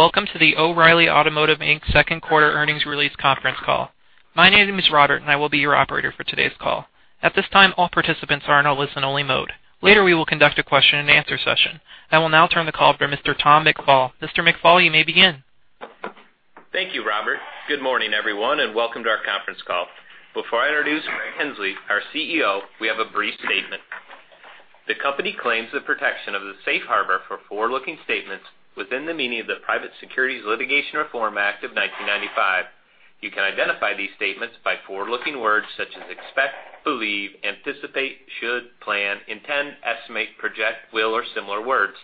Welcome to the O’Reilly Automotive Inc. second quarter earnings release conference call. My name is Robert, and I will be your operator for today's call. At this time, all participants are in a listen-only mode. Later, we will conduct a question-and-answer session. I will now turn the call over to Mr. Thomas McFall. Mr. McFall, you may begin. Thank you, Robert. Welcome to our conference call. Before I introduce Greg Henslee, our CEO, we have a brief statement. The company claims the protection of the safe harbor for forward-looking statements within the meaning of the Private Securities Litigation Reform Act of 1995. You can identify these statements by forward-looking words such as expect, believe, anticipate, should, plan, intend, estimate, project, will, or similar words.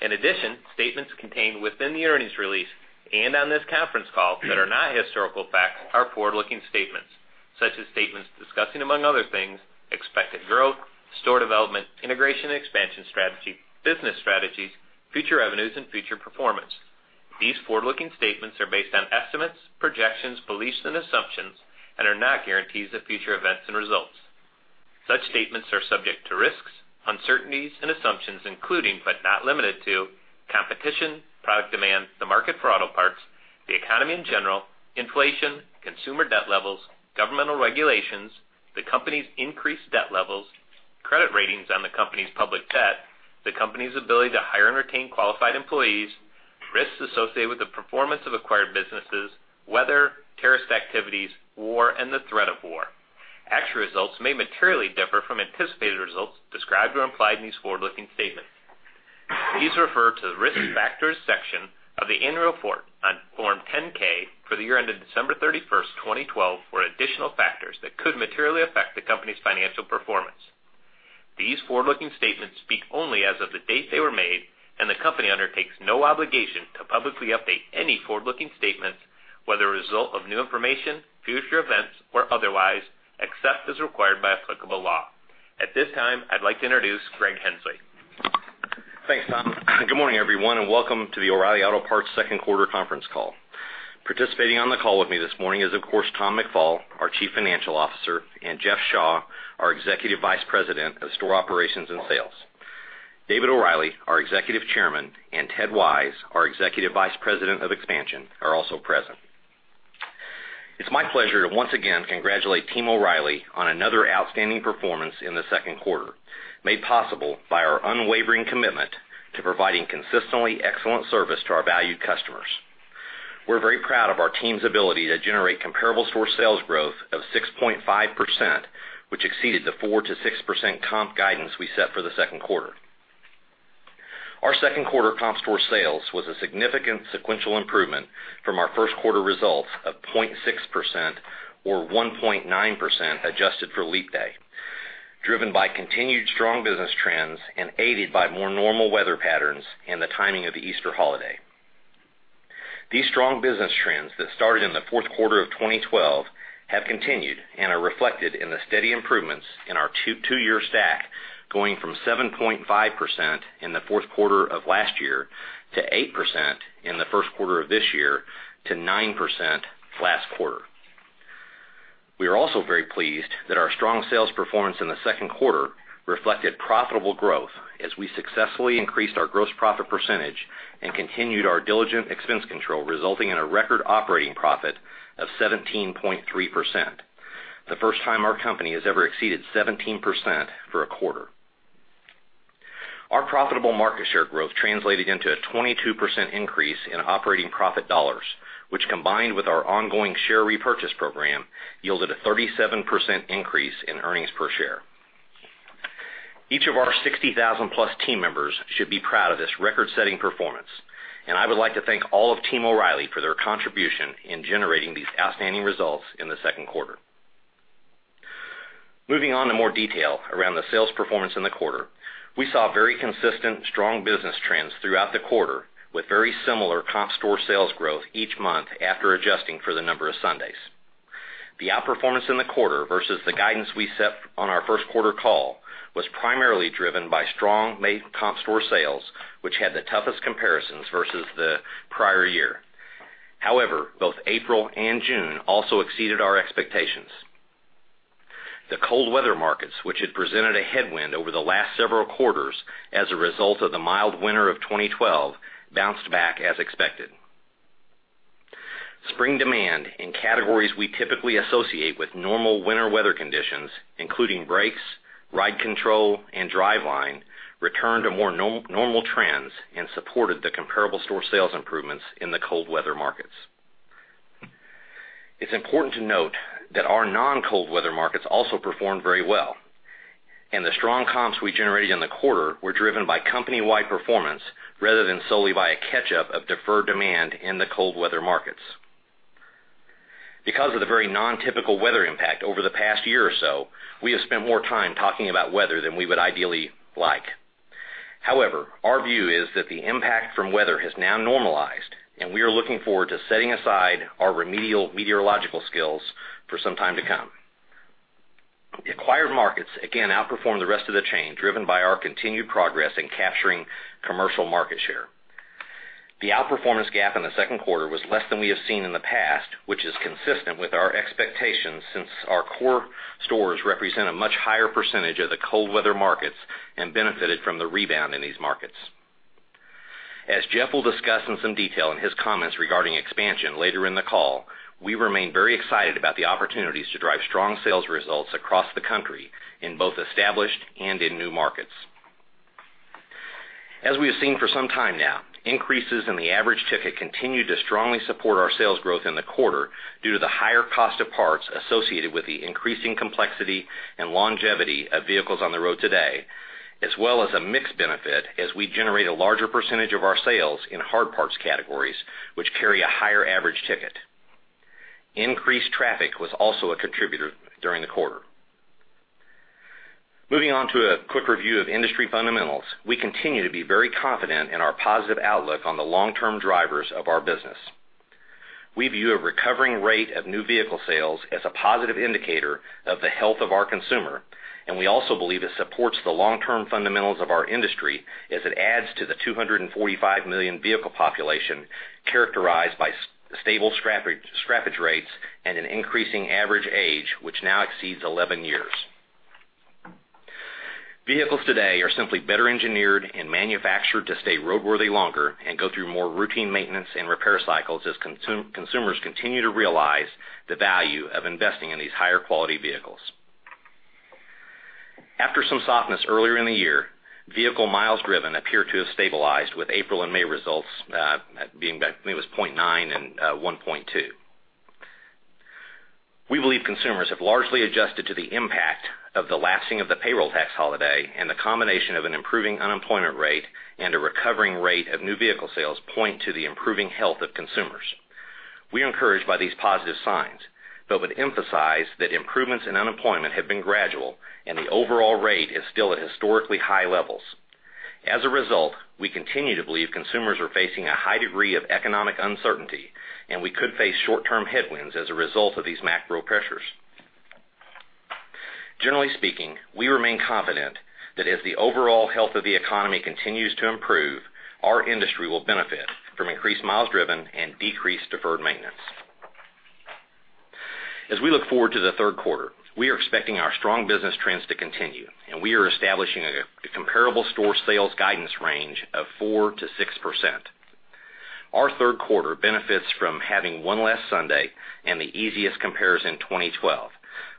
In addition, statements contained within the earnings release and on this conference call that are not historical facts are forward-looking statements, such as statements discussing, among other things, expected growth, store development, integration expansion strategy, business strategies, future revenues, and future performance. These forward-looking statements are based on estimates, projections, beliefs, and assumptions and are not guarantees of future events and results. Such statements are subject to risks, uncertainties, and assumptions including, but not limited to, competition, product demand, the market for auto parts, the economy in general, inflation, consumer debt levels, governmental regulations, the company's increased debt levels, credit ratings on the company's public debt, the company's ability to hire and retain qualified employees, risks associated with the performance of acquired businesses, weather, terrorist activities, war, and the threat of war. Actual results may materially differ from anticipated results described or implied in these forward-looking statements. Please refer to the Risk Factors section of the annual report on Form 10-K for the year ended December 31st, 2012, for additional factors that could materially affect the company's financial performance. These forward-looking statements speak only as of the date they were made, and the company undertakes no obligation to publicly update any forward-looking statements, whether a result of new information, future events, or otherwise, except as required by applicable law. At this time, I'd like to introduce Greg Henslee. Thanks, Tom. Good morning, everyone. Welcome to the O'Reilly Auto Parts second quarter conference call. Participating on the call with me this morning is, of course, Tom McFall, our Chief Financial Officer, and Jeff Shaw, our Executive Vice President of Store Operations and Sales. David O'Reilly, our Executive Chairman, and Ted Wise, our Executive Vice President of Expansion, are also present. It's my pleasure to once again congratulate Team O'Reilly on another outstanding performance in the second quarter, made possible by our unwavering commitment to providing consistently excellent service to our valued customers. We're very proud of our team's ability to generate comparable store sales growth of 6.5%, which exceeded the 4%-6% comp guidance we set for the second quarter. Our second quarter comp store sales was a significant sequential improvement from our first quarter results of 0.6%, or 1.9% adjusted for Leap Day, driven by continued strong business trends and aided by more normal weather patterns and the timing of the Easter holiday. These strong business trends that started in the fourth quarter of 2012 have continued and are reflected in the steady improvements in our two-year stack, going from 7.5% in the fourth quarter of last year to 8% in the first quarter of this year to 9% last quarter. We are also very pleased that our strong sales performance in the second quarter reflected profitable growth as we successfully increased our gross profit percentage and continued our diligent expense control, resulting in a record operating profit of 17.3%, the first time our company has ever exceeded 17% for a quarter. Our profitable market share growth translated into a 22% increase in operating profit dollars, which, combined with our ongoing share repurchase program, yielded a 37% increase in earnings per share. Each of our 60,000-plus team members should be proud of this record-setting performance. I would like to thank all of Team O'Reilly for their contribution in generating these outstanding results in the second quarter. Moving on to more detail around the sales performance in the quarter. We saw very consistent, strong business trends throughout the quarter with very similar comp store sales growth each month after adjusting for the number of Sundays. The outperformance in the quarter versus the guidance we set on our first quarter call was primarily driven by strong May comp store sales, which had the toughest comparisons versus the prior year. Both April and June also exceeded our expectations. The cold weather markets, which had presented a headwind over the last several quarters as a result of the mild winter of 2012, bounced back as expected. Spring demand in categories we typically associate with normal winter weather conditions, including brakes, ride control, and driveline, returned to more normal trends and supported the comparable store sales improvements in the cold weather markets. It's important to note that our non-cold weather markets also performed very well. The strong comps we generated in the quarter were driven by company-wide performance rather than solely by a catch-up of deferred demand in the cold weather markets. Because of the very non-typical weather impact over the past year or so, we have spent more time talking about weather than we would ideally like. Our view is that the impact from weather has now normalized, and we are looking forward to setting aside our remedial meteorological skills for some time to come. The acquired markets again outperformed the rest of the chain, driven by our continued progress in capturing commercial market share. The outperformance gap in the second quarter was less than we have seen in the past, which is consistent with our expectations since our core stores represent a much higher percentage of the cold weather markets and benefited from the rebound in these markets. As Jeff will discuss in some detail in his comments regarding expansion later in the call, we remain very excited about the opportunities to drive strong sales results across the country in both established and in new markets. As we have seen for some time now, increases in the average ticket continue to strongly support our sales growth in the quarter due to the higher cost of parts associated with the increasing complexity and longevity of vehicles on the road today, as well as a mix benefit as we generate a larger percentage of our sales in hard parts categories, which carry a higher average ticket. Increased traffic was also a contributor during the quarter. Moving on to a quick review of industry fundamentals, we continue to be very confident in our positive outlook on the long-term drivers of our business. We view a recovering rate of new vehicle sales as a positive indicator of the health of our consumer, and we also believe it supports the long-term fundamentals of our industry as it adds to the 245 million vehicle population characterized by stable scrappage rates and an increasing average age, which now exceeds 11 years. Vehicles today are simply better engineered and manufactured to stay roadworthy longer and go through more routine maintenance and repair cycles as consumers continue to realize the value of investing in these higher quality vehicles. After some softness earlier in the year, vehicle miles driven appear to have stabilized with April and May results being, I believe, 0.9 and 1.2. We believe consumers have largely adjusted to the impact of the lapsing of the payroll tax holiday and the combination of an improving unemployment rate and a recovering rate of new vehicle sales point to the improving health of consumers. We are encouraged by these positive signs, would emphasize that improvements in unemployment have been gradual, and the overall rate is still at historically high levels. As a result, we continue to believe consumers are facing a high degree of economic uncertainty, and we could face short-term headwinds as a result of these macro pressures. Generally speaking, we remain confident that as the overall health of the economy continues to improve, our industry will benefit from increased miles driven and decreased deferred maintenance. As we look forward to the third quarter, we are expecting our strong business trends to continue. We are establishing a comparable store sales guidance range of 4%-6%. Our third quarter benefits from having one less Sunday and the easiest comparison in 2012.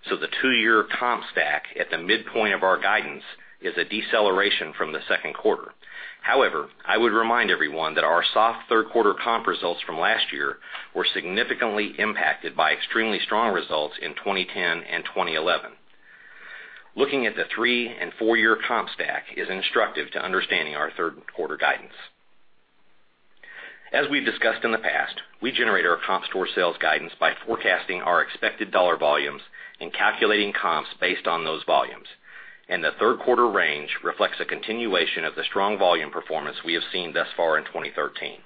The two-year comp stack at the midpoint of our guidance is a deceleration from the second quarter. However, I would remind everyone that our soft third quarter comp results from last year were significantly impacted by extremely strong results in 2010 and 2011. Looking at the three and four-year comp stack is instructive to understanding our third quarter guidance. We've discussed in the past, we generate our comp store sales guidance by forecasting our expected dollar volumes and calculating comps based on those volumes. The third quarter range reflects a continuation of the strong volume performance we have seen thus far in 2013.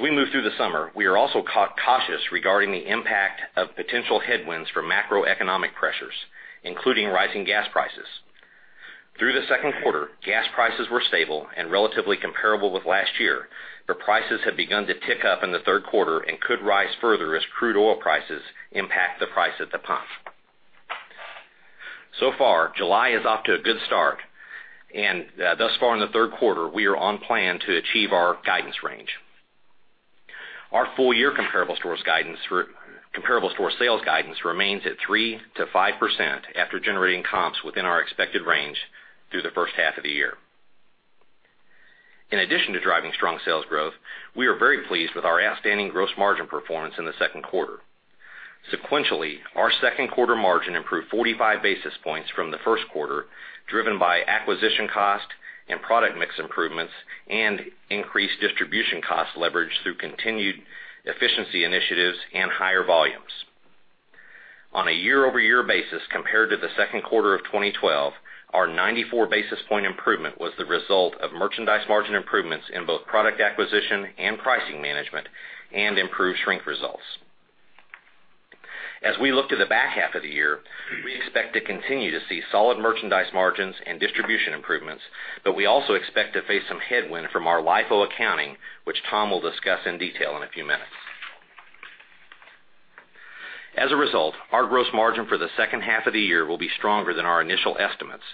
We move through the summer, we are also cautious regarding the impact of potential headwinds from macroeconomic pressures, including rising gas prices. Through the second quarter, gas prices were stable and relatively comparable with last year. Prices have begun to tick up in the third quarter and could rise further as crude oil prices impact the price at the pump. So far, July is off to a good start. Thus far in the third quarter, we are on plan to achieve our guidance range. Our full-year comparable store sales guidance remains at 3%-5% after generating comps within our expected range through the first half of the year. In addition to driving strong sales growth, we are very pleased with our outstanding gross margin performance in the second quarter. Sequentially, our second quarter margin improved 45 basis points from the first quarter, driven by acquisition cost and product mix improvements and increased distribution cost leverage through continued efficiency initiatives and higher volumes. On a year-over-year basis compared to the second quarter of 2012, our 94-basis point improvement was the result of merchandise margin improvements in both product acquisition and pricing management and improved shrink results. We look to the back half of the year, we expect to continue to see solid merchandise margins and distribution improvements. We also expect to face some headwind from our LIFO accounting, which Tom will discuss in detail in a few minutes. As a result, our gross margin for the second half of the year will be stronger than our initial estimates.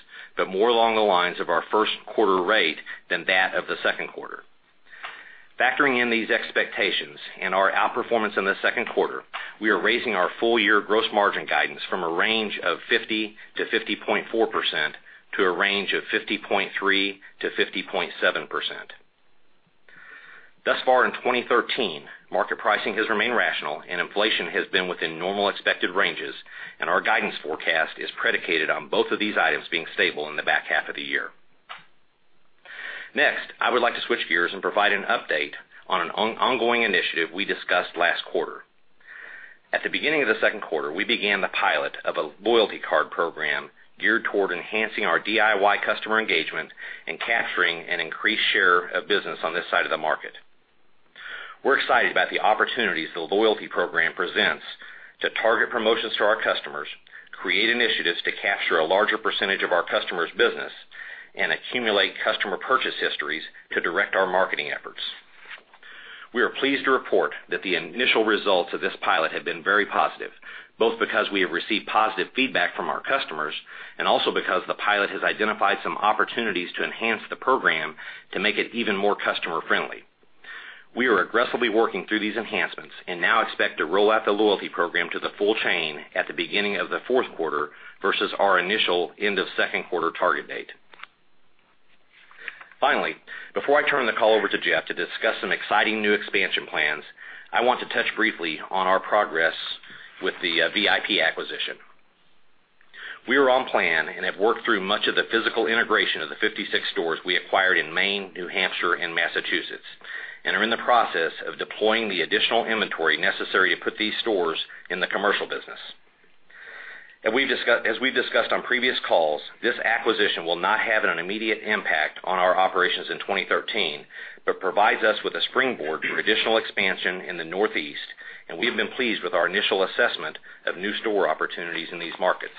More along the lines of our first quarter rate than that of the second quarter. Factoring in these expectations and our outperformance in the second quarter, we are raising our full-year gross margin guidance from a range of 50%-50.4% to a range of 50.3%-50.7%. Thus far in 2013, market pricing has remained rational and inflation has been within normal expected ranges. Our guidance forecast is predicated on both of these items being stable in the back half of the year. Next, I would like to switch gears and provide an update on an ongoing initiative we discussed last quarter. At the beginning of the second quarter, we began the pilot of a loyalty card program geared toward enhancing our DIY customer engagement and capturing an increased share of business on this side of the market. We're excited about the opportunities the loyalty program presents to target promotions to our customers, create initiatives to capture a larger % of our customers' business, and accumulate customer purchase histories to direct our marketing efforts. We are pleased to report that the initial results of this pilot have been very positive, both because we have received positive feedback from our customers, and also because the pilot has identified some opportunities to enhance the program to make it even more customer-friendly. We are aggressively working through these enhancements. Now expect to roll out the loyalty program to the full chain at the beginning of the fourth quarter versus our initial end of second quarter target date. Finally, before I turn the call over to Jeff to discuss some exciting new expansion plans, I want to touch briefly on our progress with the VIP acquisition. We are on plan and have worked through much of the physical integration of the 56 stores we acquired in Maine, New Hampshire, and Massachusetts, and are in the process of deploying the additional inventory necessary to put these stores in the commercial business. As we've discussed on previous calls, this acquisition will not have an immediate impact on our operations in 2013, but provides us with a springboard for additional expansion in the Northeast. We've been pleased with our initial assessment of new store opportunities in these markets.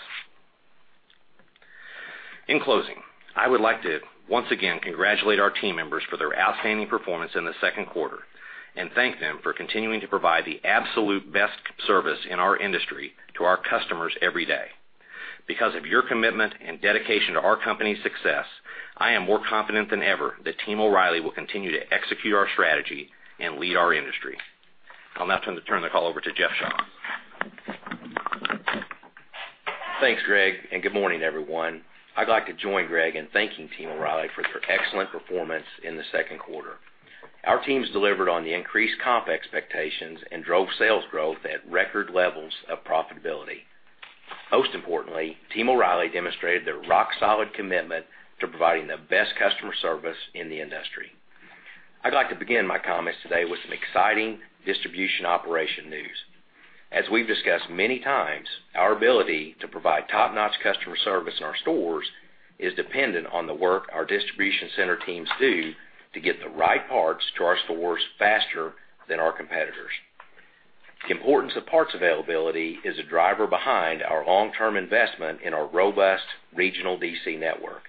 In closing, I would like to once again congratulate our team members for their outstanding performance in the second quarter and thank them for continuing to provide the absolute best service in our industry to our customers every day. Because of your commitment and dedication to our company's success, I am more confident than ever that Team O'Reilly will continue to execute our strategy and lead our industry. I'll now turn the call over to Jeff Shaw. Thanks, Greg. Good morning, everyone. I'd like to join Greg in thanking Team O'Reilly for their excellent performance in the second quarter. Our teams delivered on the increased comp expectations and drove sales growth at record levels of profitability. Most importantly, Team O'Reilly demonstrated their rock-solid commitment to providing the best customer service in the industry. I'd like to begin my comments today with some exciting distribution operation news. As we've discussed many times, our ability to provide top-notch customer service in our stores is dependent on the work our distribution center teams do to get the right parts to our stores faster than our competitors. The importance of parts availability is a driver behind our long-term investment in our robust regional DC network.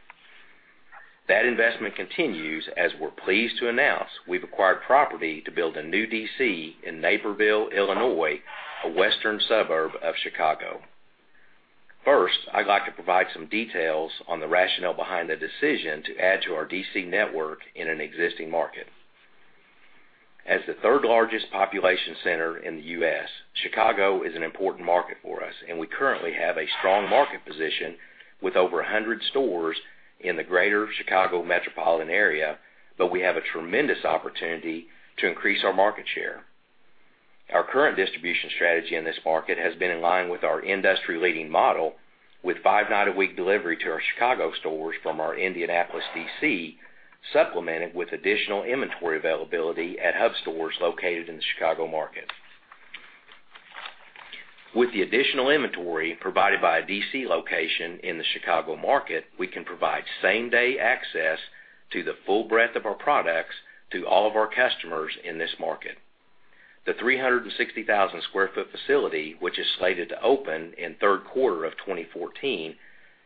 That investment continues as we're pleased to announce we've acquired property to build a new DC in Naperville, Illinois, a western suburb of Chicago. First, I'd like to provide some details on the rationale behind the decision to add to our DC network in an existing market. As the third-largest population center in the U.S., Chicago is an important market for us, and we currently have a strong market position with over 100 stores in the greater Chicago metropolitan area, but we have a tremendous opportunity to increase our market share. Our current distribution strategy in this market has been in line with our industry-leading model, with five-night-a-week delivery to our Chicago stores from our Indianapolis DC, supplemented with additional inventory availability at hub stores located in the Chicago market. With the additional inventory provided by a DC location in the Chicago market, we can provide same-day access to the full breadth of our products to all of our customers in this market. The 360,000 sq ft facility, which is slated to open in third quarter of 2014,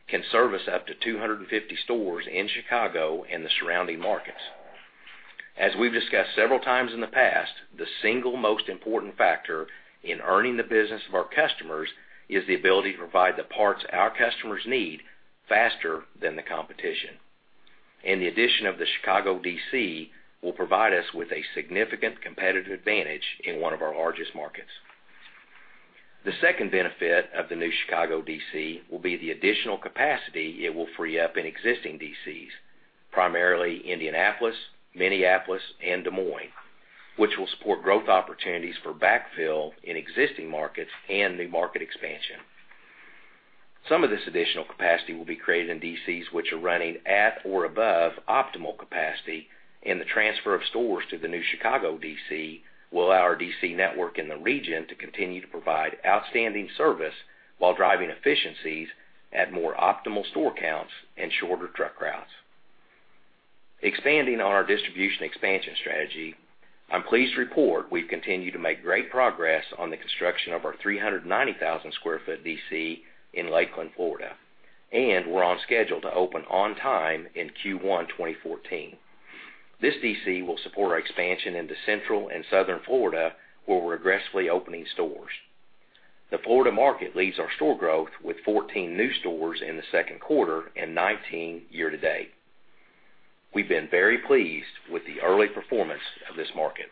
can service up to 250 stores in Chicago and the surrounding markets. As we've discussed several times in the past, the single most important factor in earning the business of our customers is the ability to provide the parts our customers need faster than the competition. The addition of the Chicago DC will provide us with a significant competitive advantage in one of our largest markets. The second benefit of the new Chicago DC will be the additional capacity it will free up in existing DCs, primarily Indianapolis, Minneapolis, and Des Moines, which will support growth opportunities for backfill in existing markets and new market expansion. Some of this additional capacity will be created in DCs which are running at or above optimal capacity, and the transfer of stores to the new Chicago DC will allow our DC network in the region to continue to provide outstanding service while driving efficiencies at more optimal store counts and shorter truck routes. Expanding on our distribution expansion strategy, I'm pleased to report we've continued to make great progress on the construction of our 390,000 sq ft DC in Lakeland, Florida, and we're on schedule to open on time in Q1 2014. This DC will support our expansion into Central and Southern Florida, where we're aggressively opening stores. The Florida market leads our store growth with 14 new stores in the second quarter and 19 year to date. We've been very pleased with the early performance of this market.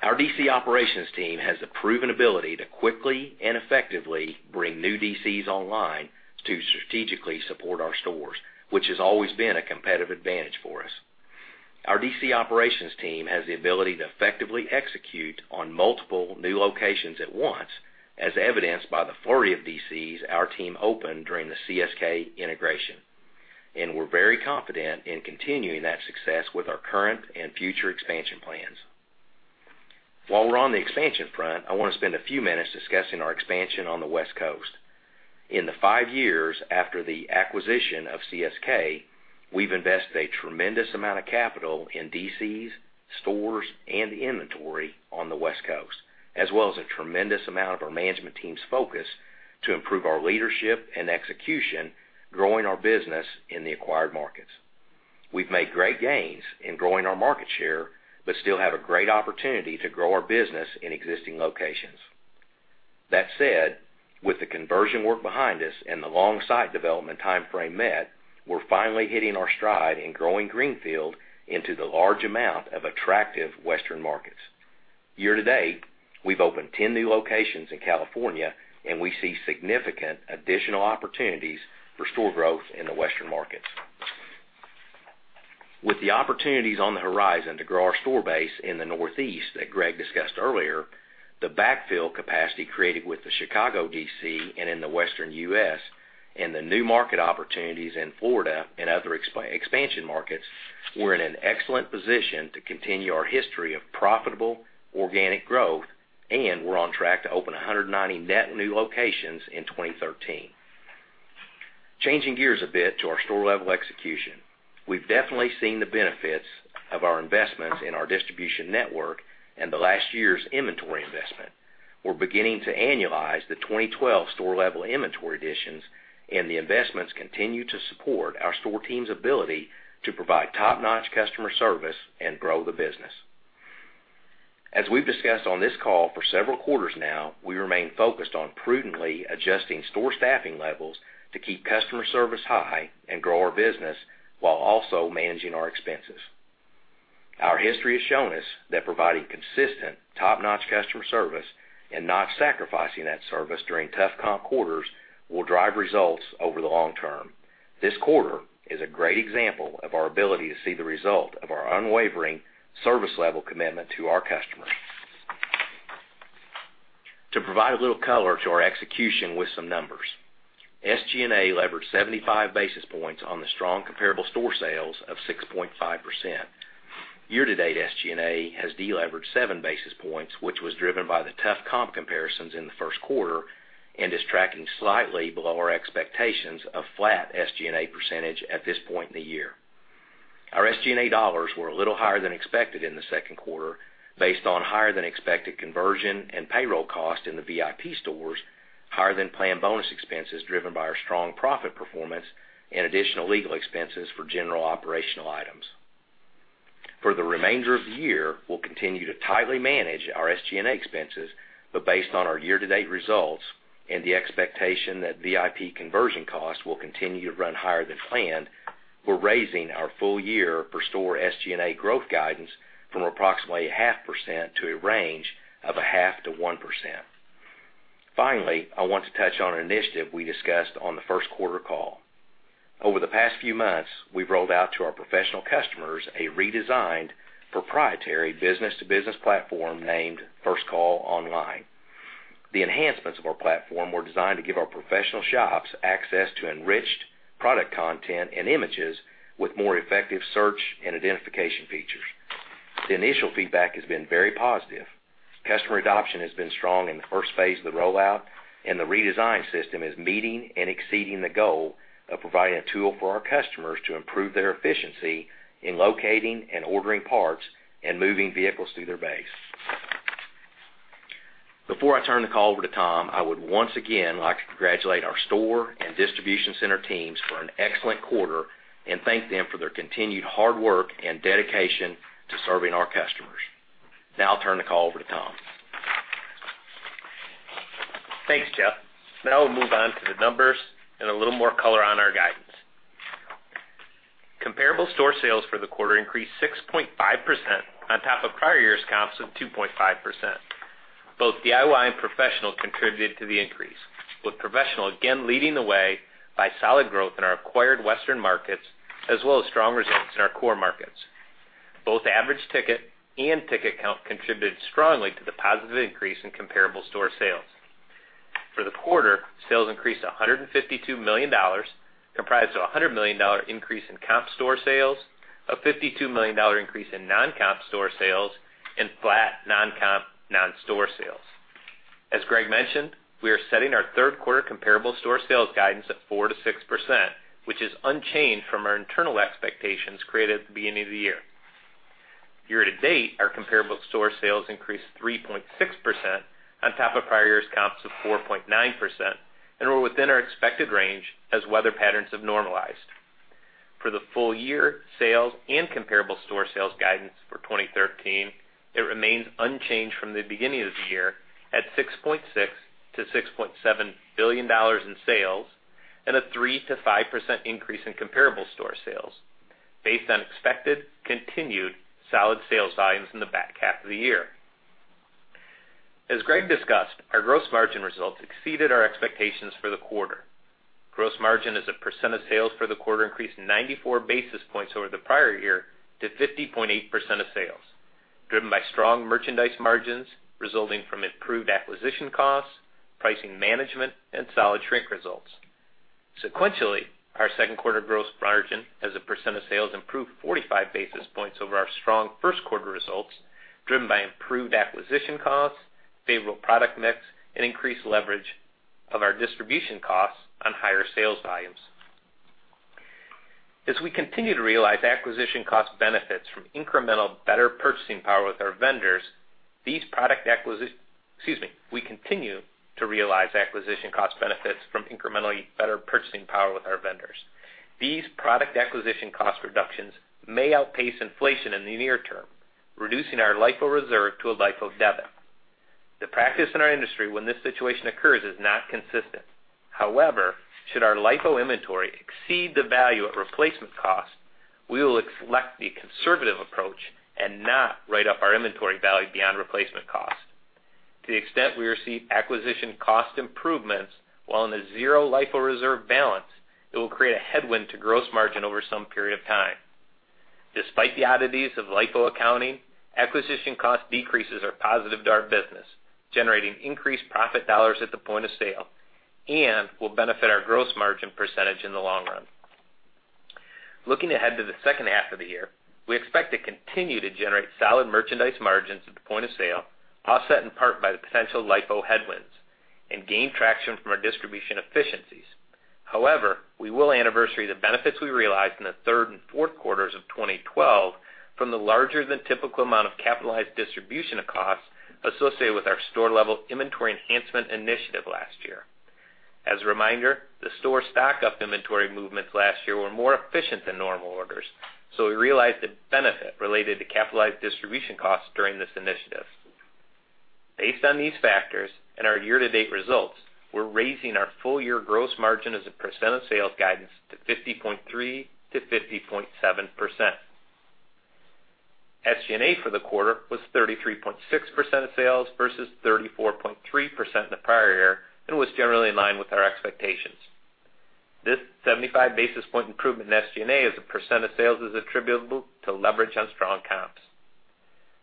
Our DC operations team has a proven ability to quickly and effectively bring new DCs online to strategically support our stores, which has always been a competitive advantage for us. Our DC operations team has the ability to effectively execute on multiple new locations at once, as evidenced by the flurry of DCs our team opened during the CSK integration. We're very confident in continuing that success with our current and future expansion plans. While we're on the expansion front, I want to spend a few minutes discussing our expansion on the West Coast. In the five years after the acquisition of CSK, we've invested a tremendous amount of capital in DCs, stores, and inventory on the West Coast, as well as a tremendous amount of our management team's focus to improve our leadership and execution, growing our business in the acquired markets. We've made great gains in growing our market share, but still have a great opportunity to grow our business in existing locations. That said, with the conversion work behind us and the long site development timeframe met, we're finally hitting our stride in growing greenfield into the large amount of attractive Western markets. Year-to-date, we've opened 10 new locations in California, and we see significant additional opportunities for store growth in the Western markets. With the opportunities on the horizon to grow our store base in the Northeast that Greg discussed earlier, the backfill capacity created with the Chicago DC and in the Western U.S., and the new market opportunities in Florida and other expansion markets, we're in an excellent position to continue our history of profitable organic growth, and we're on track to open 190 net new locations in 2013. Changing gears a bit to our store-level execution. We've definitely seen the benefits of our investments in our distribution network and the last year's inventory investment. We're beginning to annualize the 2012 store-level inventory additions, and the investments continue to support our store team's ability to provide top-notch customer service and grow the business. As we've discussed on this call for several quarters now, we remain focused on prudently adjusting store staffing levels to keep customer service high and grow our business while also managing our expenses. Our history has shown us that providing consistent, top-notch customer service and not sacrificing that service during tough comp quarters will drive results over the long term. This quarter is a great example of our ability to see the result of our unwavering service-level commitment to our customers. To provide a little color to our execution with some numbers. SG&A leveraged 75 basis points on the strong comparable store sales of 6.5%. Year-to-date, SG&A has deleveraged seven basis points, which was driven by the tough comp comparisons in the first quarter and is tracking slightly below our expectations of flat SG&A percentage at this point in the year. Our SG&A dollars were a little higher than expected in the second quarter based on higher-than-expected conversion and payroll cost in the VIP stores, higher-than-planned bonus expenses driven by our strong profit performance, and additional legal expenses for general operational items. For the remainder of the year, we'll continue to tightly manage our SG&A expenses, but based on our year-to-date results and the expectation that VIP conversion costs will continue to run higher than planned, we're raising our full-year per store SG&A growth guidance from approximately half percent to a range of a half to 1%. Finally, I want to touch on an initiative we discussed on the first quarter call. Over the past few months, we've rolled out to our professional customers a redesigned proprietary business-to-business platform named First Call Online. The enhancements of our platform were designed to give our professional shops access to enriched product content and images with more effective search and identification features. The initial feedback has been very positive. Customer adoption has been strong in the first phase of the rollout, and the redesigned system is meeting and exceeding the goal of providing a tool for our customers to improve their efficiency in locating and ordering parts and moving vehicles through their base. Before I turn the call over to Tom, I would once again like to congratulate our store and distribution center teams for an excellent quarter and thank them for their continued hard work and dedication to serving our customers. Now I'll turn the call over to Tom. Thanks, Jeff. Now we'll move on to the numbers and a little more color on our guidance. Comparable store sales for the quarter increased 6.5% on top of prior year's comps of 2.5%. Both DIY and professional contributed to the increase, with professional again leading the way by solid growth in our acquired Western markets, as well as strong results in our core markets. Both average ticket and ticket count contributed strongly to the positive increase in comparable store sales. For the quarter, sales increased $152 million, comprised of a $100 million increase in comp store sales, a $52 million increase in non-comp store sales, and flat non-comp non-store sales. As Greg mentioned, we are setting our third-quarter comparable store sales guidance at 4%-6%, which is unchanged from our internal expectations created at the beginning of the year. Year-to-date, our comparable store sales increased 3.6% on top of prior year's comps of 4.9%, and we're within our expected range as weather patterns have normalized. For the full-year sales and comparable store sales guidance for 2013, it remains unchanged from the beginning of the year at $6.6 billion-$6.7 billion in sales and a 3%-5% increase in comparable store sales based on expected continued solid sales volumes in the back half of the year. As Greg discussed, our gross margin results exceeded our expectations for the quarter. Gross margin as a percent of sales for the quarter increased 94 basis points over the prior year to 50.8% of sales, driven by strong merchandise margins resulting from improved acquisition costs, pricing management, and solid shrink results. Sequentially, our second quarter gross margin as a percent of sales improved 45 basis points over our strong first quarter results, driven by improved acquisition costs, favorable product mix, and increased leverage of our distribution costs on higher sales volumes. As we continue to realize acquisition cost benefits from incrementally better purchasing power with our vendors. These product acquisition cost reductions may outpace inflation in the near term, reducing our LIFO reserve to a LIFO debit. The practice in our industry when this situation occurs is not consistent. However, should our LIFO inventory exceed the value at replacement cost, we will elect the conservative approach and not write up our inventory value beyond replacement cost. To the extent we receive acquisition cost improvements while in a zero LIFO reserve balance, it will create a headwind to gross margin over some period of time. Despite the oddities of LIFO accounting, acquisition cost decreases are positive to our business, generating increased profit dollars at the point of sale, and will benefit our gross margin percentage in the long run. Looking ahead to the second half of the year, we expect to continue to generate solid merchandise margins at the point of sale, offset in part by the potential LIFO headwinds and gain traction from our distribution efficiencies. However, we will anniversary the benefits we realized in the third and fourth quarters of 2012 from the larger than typical amount of capitalized distribution costs associated with our store-level inventory enhancement initiative last year. As a reminder, the store stock-up inventory movements last year were more efficient than normal orders, so we realized the benefit related to capitalized distribution costs during this initiative. Based on these factors and our year-to-date results, we're raising our full-year gross margin as a percent of sales guidance to 50.3%-50.7%. SG&A for the quarter was 33.6% of sales versus 34.3% in the prior year and was generally in line with our expectations. This 75 basis point improvement in SG&A as a percent of sales is attributable to leverage on strong comps.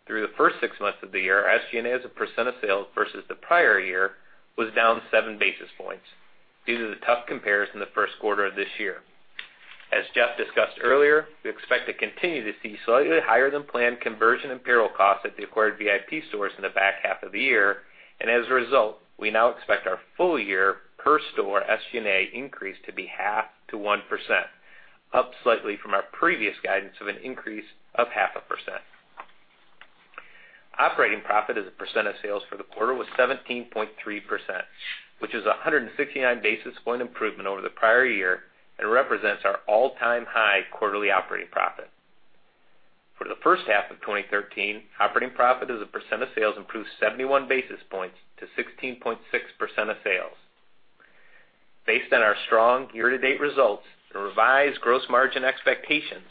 Through the first six months of the year, SG&A as a percent of sales versus the prior year was down seven basis points due to the tough compares in the first quarter of this year. As Jeff discussed earlier, we expect to continue to see slightly higher than planned conversion and payroll costs at the acquired VIP stores in the back half of the year. As a result, we now expect our full-year per store SG&A increase to be 0.5%-1%, up slightly from our previous guidance of an increase of 0.5%. Operating profit as a percent of sales for the quarter was 17.3%, which is a 169 basis point improvement over the prior year and represents our all-time high quarterly operating profit. For the first half of 2013, operating profit as a percent of sales improved 71 basis points to 16.6% of sales. Based on our strong year-to-date results and revised gross margin expectations,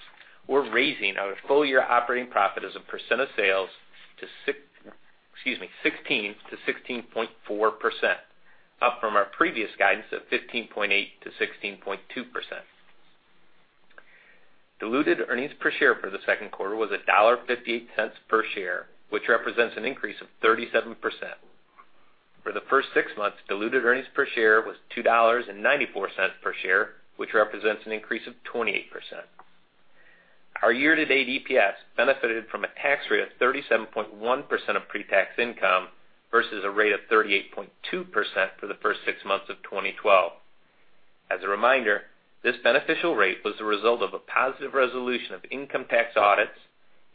we're raising our full-year operating profit as a percent of sales to 16%-16.4%, up from our previous guidance of 15.8%-16.2%. Diluted earnings per share for the second quarter was $1.58 per share, which represents an increase of 37%. For the first six months, diluted earnings per share was $2.94 per share, which represents an increase of 28%. Our year-to-date EPS benefited from a tax rate of 37.1% of pre-tax income versus a rate of 38.2% for the first six months of 2012. As a reminder, this beneficial rate was the result of a positive resolution of income tax audits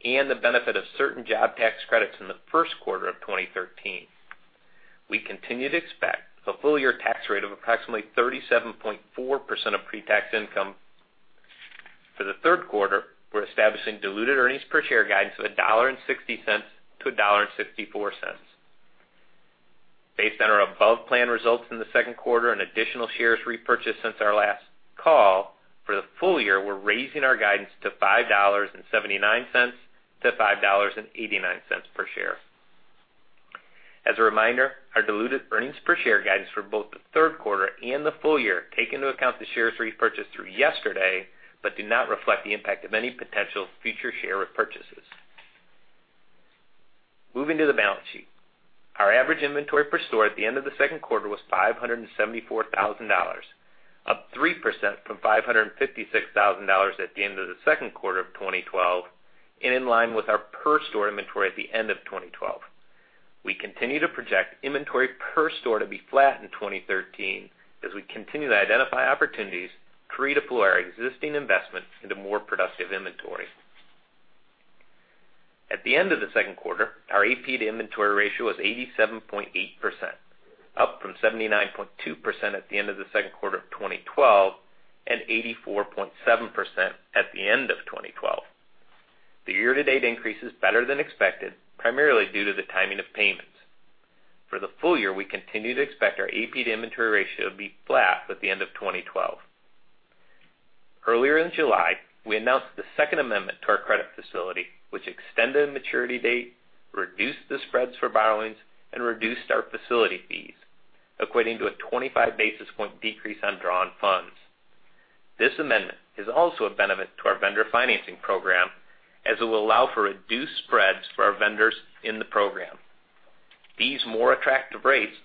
and the benefit of certain job tax credits in the first quarter of 2013. We continue to expect a full-year tax rate of approximately 37.4% of pre-tax income. For the third quarter, we're establishing diluted earnings per share guidance of $1.60-$1.64. Based on our above-plan results in the second quarter and additional shares repurchased since our last call, for the full year, we're raising our guidance to $5.79-$5.89 per share. As a reminder, our diluted earnings per share guidance for both the third quarter and the full year take into account the shares repurchased through yesterday but do not reflect the impact of any potential future share repurchases. Moving to the balance sheet. Our average inventory per store at the end of the second quarter was $574,000, up 3% from $556,000 at the end of the second quarter of 2012 and in line with our per store inventory at the end of 2012. We continue to project inventory per store to be flat in 2013 as we continue to identify opportunities to redeploy our existing investment into more productive inventory. At the end of the second quarter, our AP to inventory ratio was 87.8%, up from 79.2% at the end of the second quarter of 2012 and 84.7% at the end of 2012. The year-to-date increase is better than expected, primarily due to the timing of payments. For the full year, we continue to expect our AP to inventory ratio to be flat with the end of 2012. Earlier in July, we announced the second amendment to our credit facility, which extended the maturity date, reduced the spreads for borrowings, and reduced our facility fees, equating to a 25 basis point decrease on drawn funds. This amendment is also a benefit to our vendor financing program as it will allow for reduced spreads for our vendors in the program. These more attractive rates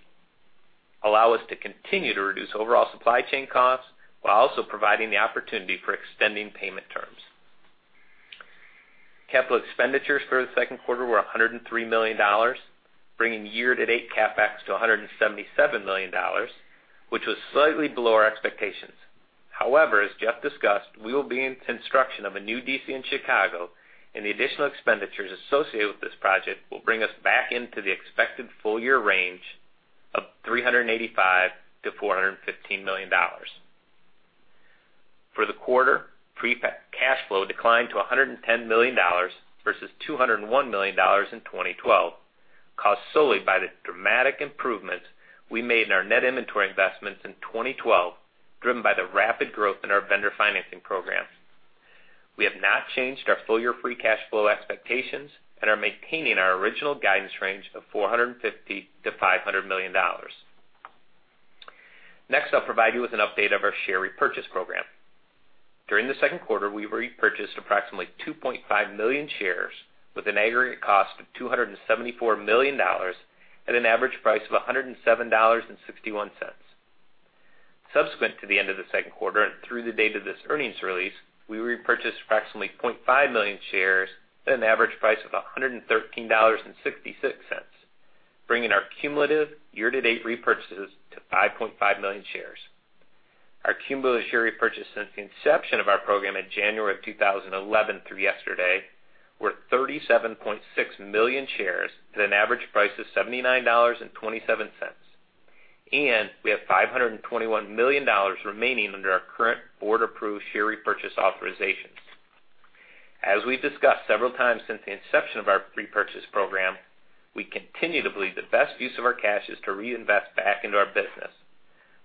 allow us to continue to reduce overall supply chain costs while also providing the opportunity for extending payment terms. Capital expenditures for the second quarter were $103 million, bringing year-to-date CapEx to $177 million, which was slightly below our expectations. As Jeff discussed, we will be in construction of a new DC in Chicago, and the additional expenditures associated with this project will bring us back into the expected full-year range $385 million-$415 million. For the quarter, free cash flow declined to $110 million versus $201 million in 2012, caused solely by the dramatic improvements we made in our net inventory investments in 2012, driven by the rapid growth in our vendor financing program. We have not changed our full-year free cash flow expectations and are maintaining our original guidance range of $450 million-$500 million. I'll provide you with an update of our share repurchase program. During the second quarter, we repurchased approximately 2.5 million shares with an aggregate cost of $274 million at an average price of $107.61. Subsequent to the end of the second quarter and through the date of this earnings release, we repurchased approximately 0.5 million shares at an average price of $113.66, bringing our cumulative year-to-date repurchases to 5.5 million shares. Our cumulative share repurchase since the inception of our program in January of 2011 through yesterday were 37.6 million shares at an average price of $79.27. We have $521 million remaining under our current board-approved share repurchase authorizations. As we've discussed several times since the inception of our repurchase program, we continue to believe the best use of our cash is to reinvest back into our business.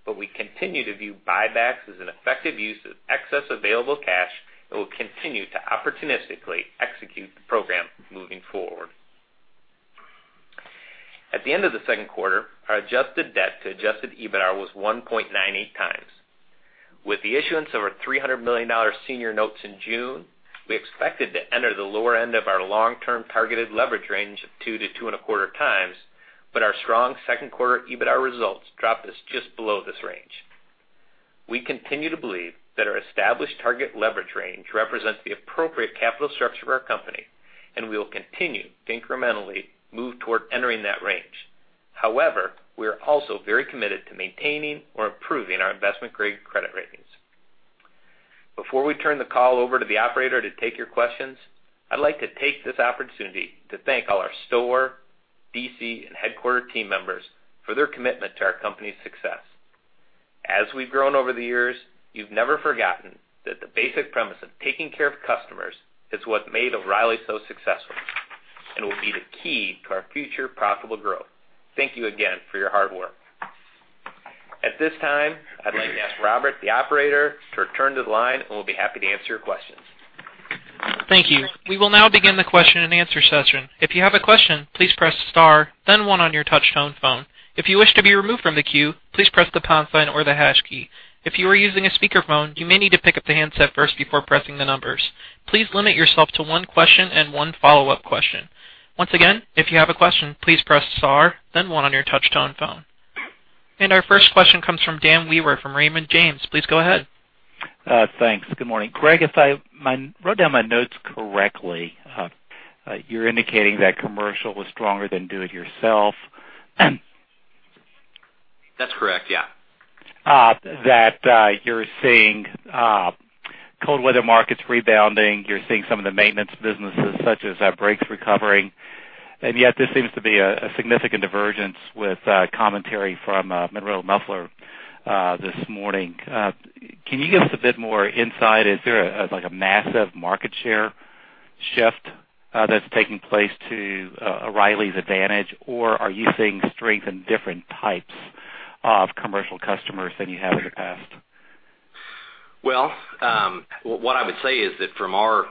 We continue to view buybacks as an effective use of excess available cash and will continue to opportunistically execute the program moving forward. At the end of the second quarter, our adjusted debt to adjusted EBITDA was 1.98 times. With the issuance of our $300 million senior notes in June, we expected to enter the lower end of our long-term targeted leverage range of two to two and a quarter times, but our strong second quarter EBITDA results dropped us just below this range. We continue to believe that our established target leverage range represents the appropriate capital structure of our company, we will continue to incrementally move toward entering that range. We are also very committed to maintaining or improving our investment-grade credit ratings. Before we turn the call over to the operator to take your questions, I'd like to take this opportunity to thank all our store, D.C., and headquarter team members for their commitment to our company's success. As we've grown over the years, you've never forgotten that the basic premise of taking care of customers is what made O'Reilly so successful and will be the key to our future profitable growth. Thank you again for your hard work. At this time, I'd like to ask Robert, the operator, to return to the line, we'll be happy to answer your questions. Thank you. We will now begin the question and answer session. If you have a question, please press star then one on your touch-tone phone. If you wish to be removed from the queue, please press the pound sign or the hash key. If you are using a speakerphone, you may need to pick up the handset first before pressing the numbers. Please limit yourself to one question and one follow-up question. Once again, if you have a question, please press star then one on your touch-tone phone. Our first question comes from Dan Wewer from Raymond James. Please go ahead. Thanks. Good morning. Greg, if I wrote down my notes correctly, you're indicating that commercial was stronger than do-it-yourself. That's correct, yeah. That you're seeing cold weather markets rebounding, you're seeing some of the maintenance businesses such as brakes recovering. Yet there seems to be a significant divergence with commentary from Monro, Inc. this morning. Can you give us a bit more insight? Is there like a massive market share shift that's taking place to O'Reilly's advantage, or are you seeing strength in different types of commercial customers than you have in the past? Well, what I would say is that from our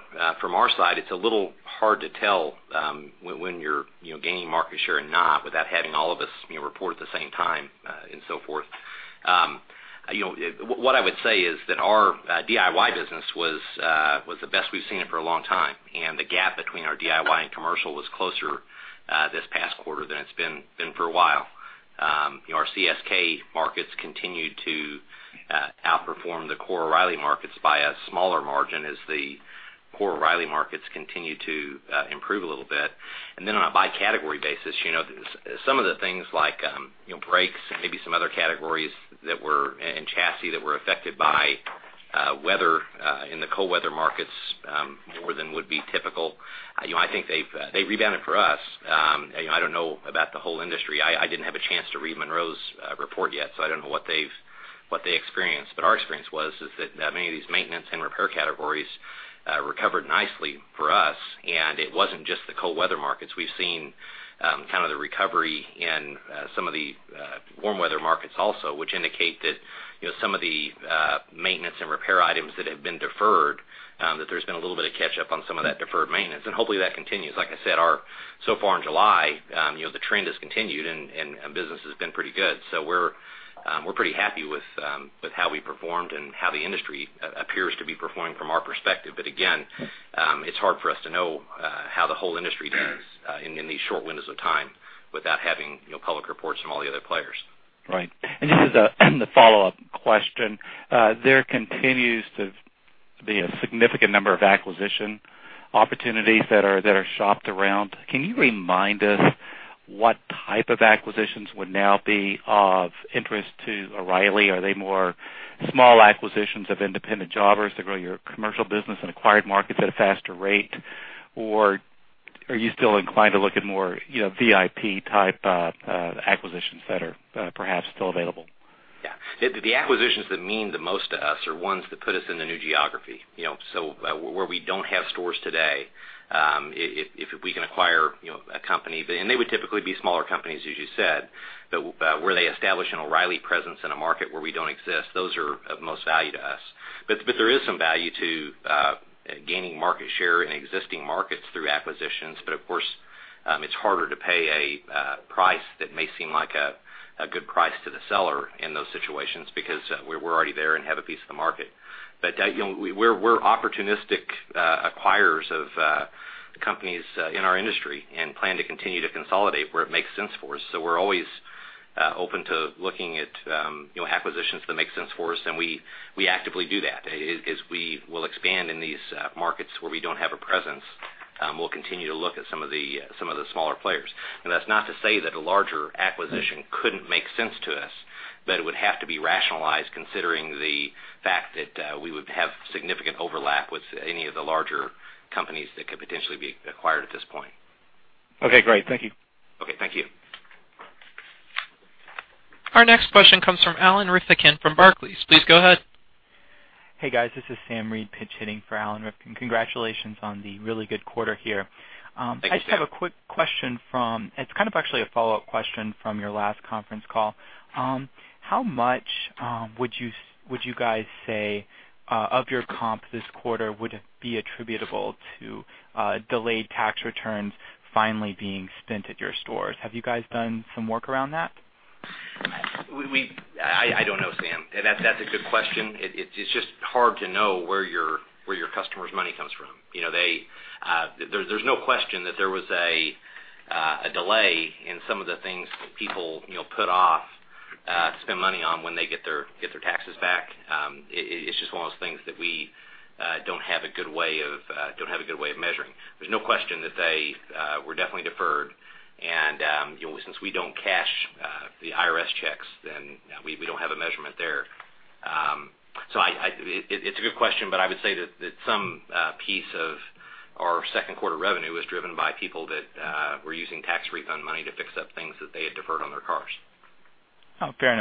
side, it's a little hard to tell when you're gaining market share or not without having all of us report at the same time and so forth. What I would say is that our DIY business was the best we've seen it for a long time. The gap between our DIY and commercial was closer this past quarter than it's been for a while. Our CSK markets continued to outperform the core O'Reilly markets by a smaller margin as the core O'Reilly markets continue to improve a little bit. Then on a by category basis, some of the things like brakes and maybe some other categories and chassis that were affected by weather in the cold weather markets more than would be typical. I think they've rebounded for us. I don't know about the whole industry. I didn't have a chance to read Monro's report yet. I don't know what they experienced. Our experience was is that many of these maintenance and repair categories recovered nicely for us. It wasn't just the cold weather markets. We've seen kind of the recovery in some of the warm weather markets also, which indicate that some of the maintenance and repair items that have been deferred, that there's been a little bit of catch up on some of that deferred maintenance. Hopefully, that continues. Like I said, so far in July, the trend has continued, and business has been pretty good. We're pretty happy with how we performed and how the industry appears to be performing from our perspective. Again, it's hard for us to know how the whole industry does in these short windows of time without having public reports from all the other players. Right. Just as a follow-up question, there continues to be a significant number of acquisition opportunities that are shopped around. Can you remind us what type of acquisitions would now be of interest to O'Reilly? Are they more small acquisitions of independent jobbers to grow your commercial business and acquired markets at a faster rate? Are you still inclined to look at more VIP-type acquisitions that are perhaps still available? Yeah. The acquisitions that mean the most to us are ones that put us in the new geography. Where we don't have stores today, if we can acquire a company, and they would typically be smaller companies as you said, where they establish an O’Reilly presence in a market where we don't exist, those are of most value to us. There is some value to gaining market share in existing markets through acquisitions. Of course, it's harder to pay a price that may seem like a good price to the seller in those situations because we're already there and have a piece of the market. We're opportunistic acquirers of companies in our industry and plan to continue to consolidate where it makes sense for us. We're always open to looking at acquisitions that make sense for us, and we actively do that. As we will expand in these markets where we don't have a presence, we'll continue to look at some of the smaller players. That's not to say that a larger acquisition couldn't make sense to us, but it would have to be rationalized considering the fact that we would have significant overlap with any of the larger companies that could potentially be acquired at this point. Okay, great. Thank you. Okay, thank you. Our next question comes from Alan Rifkin from Barclays. Please go ahead. Hey guys, this is Sam Reed pitch hitting for Alan Rifkin. Congratulations on the really good quarter here. Thank you, Sam. I just have a quick question from, it's kind of actually a follow-up question from your last conference call. How much would you guys say of your comp this quarter would be attributable to delayed tax returns finally being spent at your stores? Have you guys done some work around that? I don't know, Sam. That's a good question. It's just hard to know where your customer's money comes from. There's no question that there was a delay in some of the things that people put off to spend money on when they get their taxes back. It's just one of those things that we don't have a good way of measuring. There's no question that they were definitely deferred. Since we don't cash the IRS checks, then we don't have a measurement there. It's a good question, but I would say that some piece of our second quarter revenue was driven by people that were using tax refund money to fix up things that they had deferred on their cars. Fair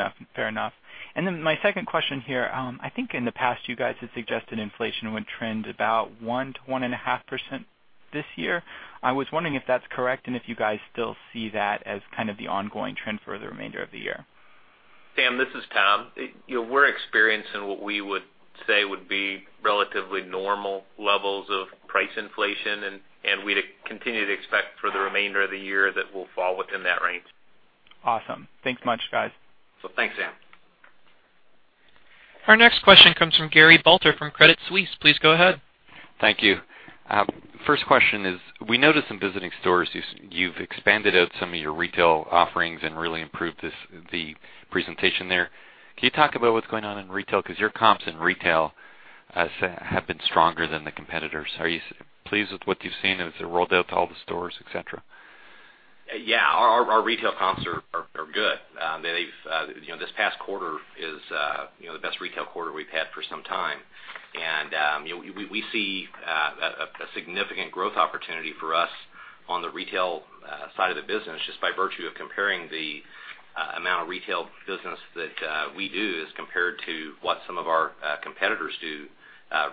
enough. My second question here. I think in the past you guys had suggested inflation would trend about 1%-1.5% this year. I was wondering if that's correct and if you guys still see that as kind of the ongoing trend for the remainder of the year. Sam, this is Tom. We're experiencing what we would say would be relatively normal levels of price inflation. We'd continue to expect for the remainder of the year that we'll fall within that range. Awesome. Thanks much, guys. Thanks, Sam. Our next question comes from Gary Balter from Credit Suisse. Please go ahead. Thank you. First question is, we noticed in visiting stores, you've expanded out some of your retail offerings and really improved the presentation there. Can you talk about what's going on in retail? Your comps in retail have been stronger than the competitors. Are you pleased with what you've seen as it rolled out to all the stores, et cetera? Yeah, our retail comps are good. This past quarter is the best retail quarter we've had for some time. We see a significant growth opportunity for us on the retail side of the business just by virtue of comparing the amount of retail business that we do as compared to what some of our competitors do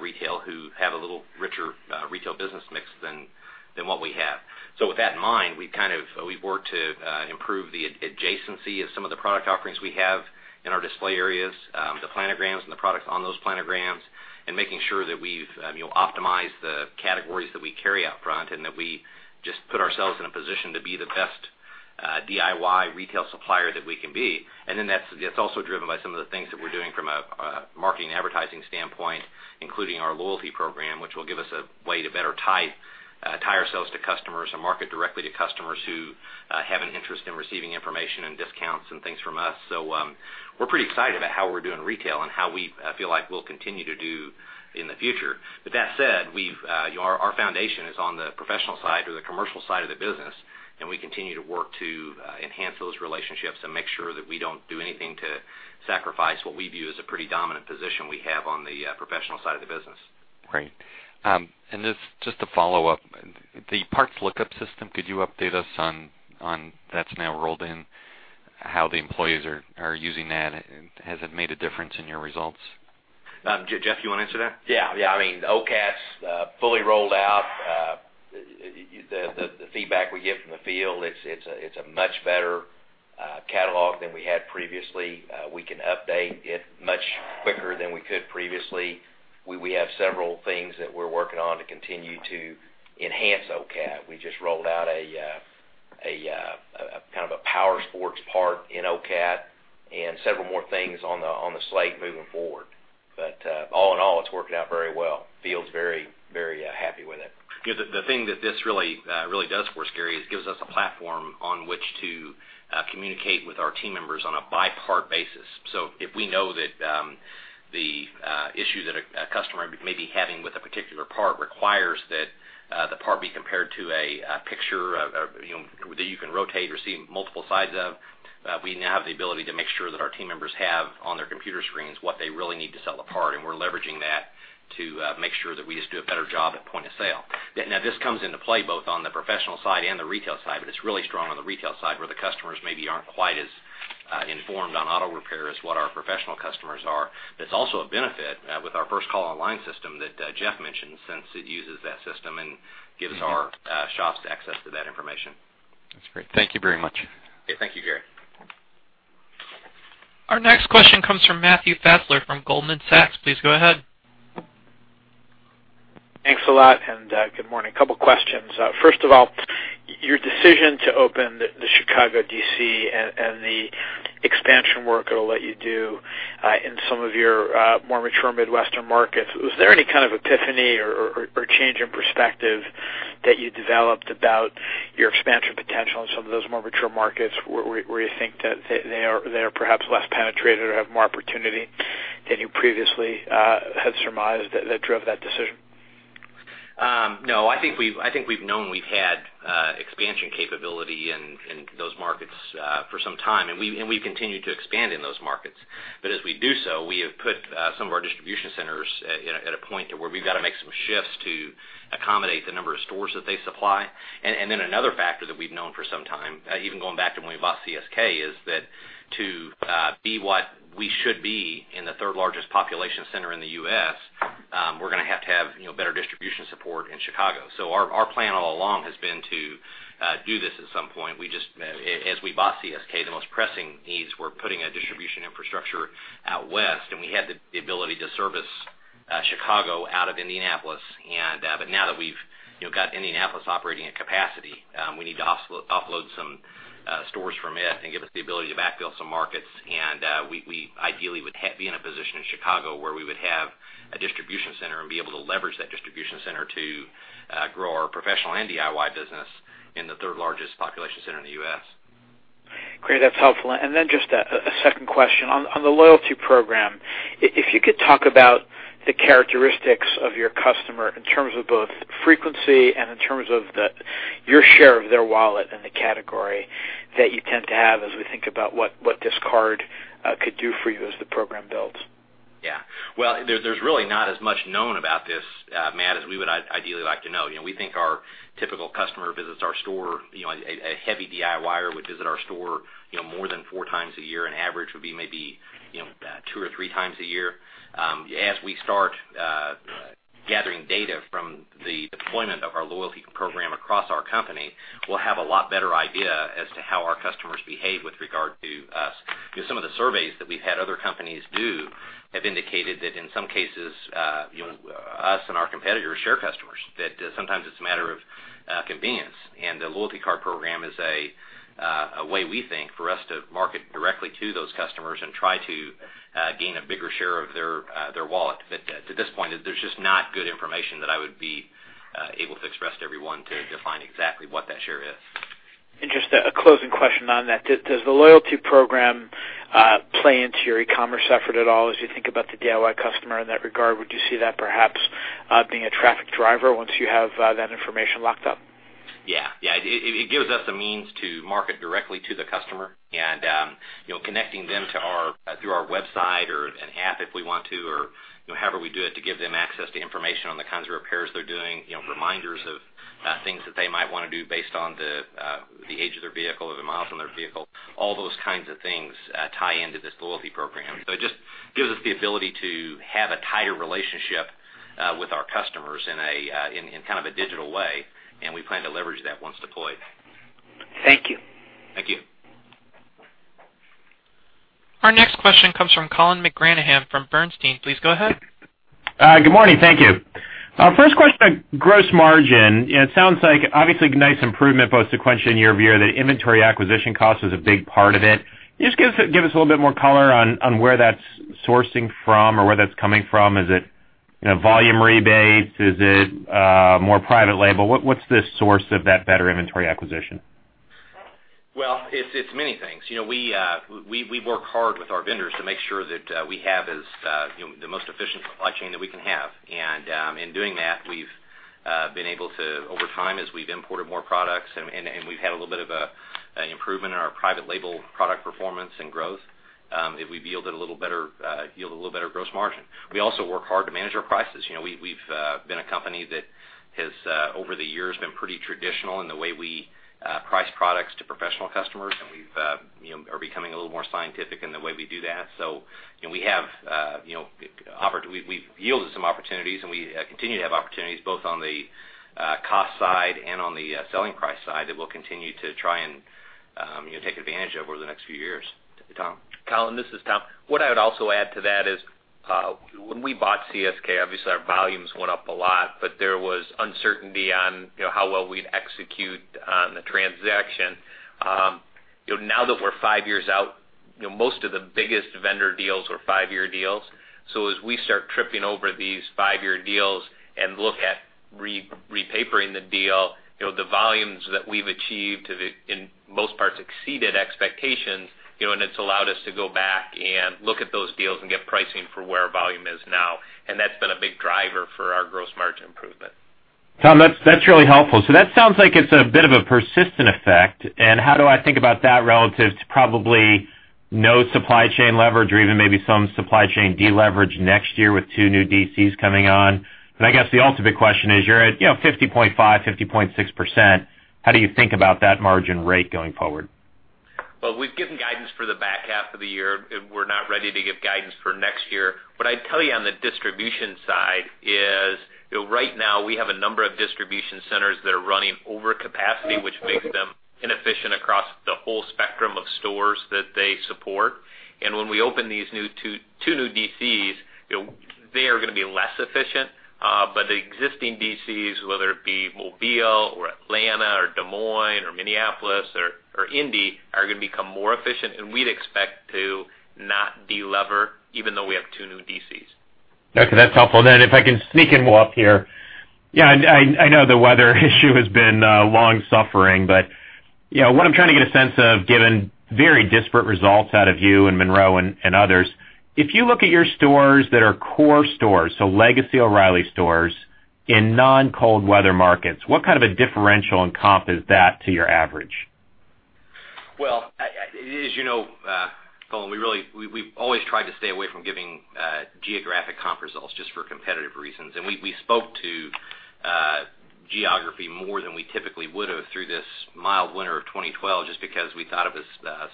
retail who have a little richer retail business mix than what we have. With that in mind, we've worked to improve the adjacency of some of the product offerings we have in our display areas, the planograms and the products on those planograms, and making sure that we've optimized the categories that we carry up front and that we just put ourselves in a position to be the best DIY retail supplier that we can be. That's also driven by some of the things that we're doing from a marketing advertising standpoint, including our loyalty program, which will give us a way to better tie ourselves to customers and market directly to customers who have an interest in receiving information and discounts and things from us. We're pretty excited about how we're doing retail and how we feel like we'll continue to do in the future. That said, our foundation is on the professional side or the commercial side of the business, and we continue to work to enhance those relationships and make sure that we don't do anything to sacrifice what we view as a pretty dominant position we have on the professional side of the business. Great. Just a follow-up. The parts lookup system, could you update us on, that's now rolled in how the employees are using that. Has it made a difference in your results? Jeff, you want to answer that? Yeah. I mean, OCAT's fully rolled out. The feedback we get from the field, it's a much better catalog than we had previously. We can update it much quicker than we could previously. We have several things that we're working on to continue to enhance OCAT. We just rolled out a kind of a power sports part in OCAT and several more things on the slate moving forward. All in all, it's working out very well. Field's very happy with it. The thing that this really does for us, Gary, is gives us a platform on which to communicate with our team members on a by-part basis. If we know that the issue that a customer may be having with a particular part requires that the part be compared to a picture that you can rotate or see multiple sides of We now have the ability to make sure that our team members have on their computer screens what they really need to sell a part, and we're leveraging that to make sure that we just do a better job at point of sale. This comes into play both on the professional side and the retail side, but it's really strong on the retail side, where the customers maybe aren't quite as informed on auto repair as what our professional customers are. It's also a benefit with our First Call Online system that Jeff mentioned, since it uses that system and gives our shops access to that information. That's great. Thank you very much. Okay. Thank you, Gary. Our next question comes from Matthew Fassler from Goldman Sachs. Please go ahead. Thanks a lot. Good morning. A couple questions. First of all, your decision to open the Chicago DC and the expansion work it'll let you do in some of your more mature Midwestern markets, was there any kind of epiphany or change in perspective that you developed about your expansion potential in some of those more mature markets where you think that they are perhaps less penetrated or have more opportunity than you previously had surmised that drove that decision? No, I think we've known we've had expansion capability in those markets for some time, we've continued to expand in those markets. As we do so, we have put some of our distribution centers at a point to where we've got to make some shifts to accommodate the number of stores that they supply. Another factor that we've known for some time, even going back to when we bought CSK, is that to be what we should be in the third largest population center in the U.S., we're going to have to have better distribution support in Chicago. Our plan all along has been to do this at some point. As we bought CSK, the most pressing needs were putting a distribution infrastructure out west, and we had the ability to service Chicago out of Indianapolis. Now that we've got Indianapolis operating at capacity, we need to offload some stores from it and give us the ability to backfill some markets. We ideally would be in a position in Chicago where we would have a distribution center and be able to leverage that distribution center to grow our professional and DIY business in the third largest population center in the U.S. Great. That's helpful. Just a second question. On the loyalty program, if you could talk about the characteristics of your customer in terms of both frequency and in terms of your share of their wallet in the category that you tend to have as we think about what this card could do for you as the program builds. Yeah. Well, there's really not as much known about this, Matt, as we would ideally like to know. We think our typical customer visits our store, a heavy DIYer would visit our store more than four times a year. An average would be maybe two or three times a year. As we start gathering data from the deployment of our loyalty program across our company, we'll have a lot better idea as to how our customers behave with regard to us. Some of the surveys that we've had other companies do have indicated that in some cases, us and our competitors share customers, that sometimes it's a matter of convenience. The loyalty card program is a way, we think, for us to market directly to those customers and try to gain a bigger share of their wallet. At this point, there's just not good information that I would be able to express to everyone to define exactly what that share is. Just a closing question on that. Does the loyalty program play into your e-commerce effort at all as you think about the DIY customer in that regard? Would you see that perhaps being a traffic driver once you have that information locked up? It gives us a means to market directly to the customer and connecting them through our website or an app if we want to, or however we do it, to give them access to information on the kinds of repairs they're doing, reminders of things that they might want to do based on the age of their vehicle or the miles on their vehicle. All those kinds of things tie into this loyalty program. It just gives us the ability to have a tighter relationship with our customers in kind of a digital way, and we plan to leverage that once deployed. Thank you. Thank you. Our next question comes from Colin McGranahan from Bernstein. Please go ahead. Good morning. Thank you. First question on gross margin. It sounds like obviously nice improvement both sequentially and year-over-year. The inventory acquisition cost is a big part of it. Can you just give us a little bit more color on where that's sourcing from or where that's coming from? Is it volume rebates? Is it more private label? What's the source of that better inventory acquisition? Well, it's many things. We work hard with our vendors to make sure that we have the most efficient supply chain that we can have. In doing that, we've been able to, over time, as we've imported more products and we've had a little bit of an improvement in our private label product performance and growth, we've yielded a little better gross margin. We also work hard to manage our prices. We've been a company that has, over the years, been pretty traditional in the way we price products to professional customers, and we are becoming a little more scientific in the way we do that. We've yielded some opportunities, and we continue to have opportunities both on the cost side and on the selling price side that we'll continue to try and take advantage of over the next few years. Tom? Colin, this is Tom. What I would also add to that is when we bought CSK, obviously our volumes went up a lot, but there was uncertainty on how well we'd execute on the transaction. Now that we're 5 years out, most of the biggest vendor deals were 5-year deals. As we start tripping over these 5-year deals and look at repapering the deal, the volumes that we've achieved have in most parts exceeded expectations, and it's allowed us to go back and look at those deals and get pricing for where our volume is now. That's been a big driver for our gross margin improvement. Tom, that's really helpful. That sounds like it's a bit of a persistent effect. How do I think about that relative to probably no supply chain leverage or even maybe some supply chain de-leverage next year with 2 new DCs coming on? I guess the ultimate question is, you're at 50.5%, 50.6%. How do you think about that margin rate going forward? Well, we've given guidance for the back half of the year, we're not ready to give guidance for next year. What I'd tell you on the distribution side is, right now we have a number of distribution centers that are running over capacity, which makes them inefficient across the whole spectrum of stores that they support. When we open these 2 new DCs, they are going to be less efficient. The existing DCs, whether it be Mobile or Atlanta or Des Moines or Minneapolis or Indy, are going to become more efficient, and we'd expect to not de-lever even though we have 2 new DCs. Okay, that's helpful. If I can sneak one more up here. Yeah, I know the weather issue has been long suffering, but what I'm trying to get a sense of, given very disparate results out of you and Monro and others, if you look at your stores that are core stores, so legacy O'Reilly stores in non-cold weather markets, what kind of a differential in comp is that to your average? Well, as you know, Colin, we always try to stay away from giving geographic comp results just for competitive reasons. We spoke to geography more than we typically would have through this mild winter of 2012, just because we thought it was